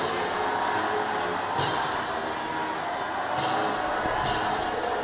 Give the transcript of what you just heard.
วัฒนิยาพุทธ